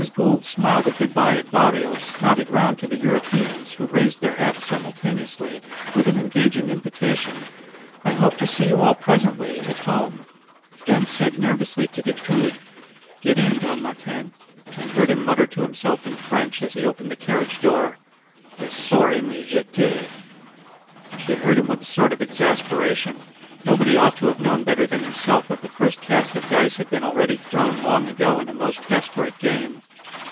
Gould smiled a good bye at Barrios, nodded round to the Europeans (who raised their hats simultaneously) with an engaging invitation, "I hope to see you all presently, at home"; then said nervously to Decoud, "Get in, Don Martin," and heard him mutter to himself in French, as he opened the carriage door, "Le sort en est jete." She heard him with a sort of exasperation. Nobody ought to have known better than himself that the first cast of dice had been already thrown long ago in a most desperate game.